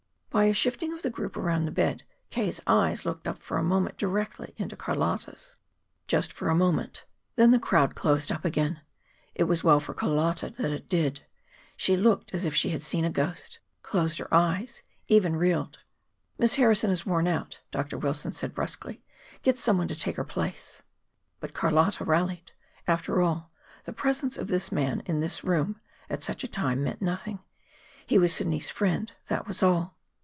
By a shifting of the group around the bed, K.'s eyes looked for a moment directly into Carlotta's. Just for a moment; then the crowd closed up again. It was well for Carlotta that it did. She looked as if she had seen a ghost closed her eyes, even reeled. "Miss Harrison is worn out," Dr. Wilson said brusquely. "Get some one to take her place." But Carlotta rallied. After all, the presence of this man in this room at such a time meant nothing. He was Sidney's friend, that was all.